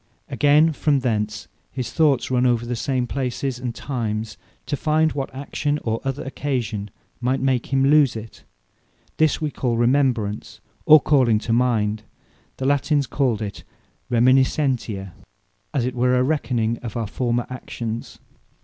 Again, from thence, his thoughts run over the same places and times, to find what action, or other occasion might make him lose it. This we call Remembrance, or Calling to mind: the Latines call it Reminiscentia, as it were a Re Conning of our former actions.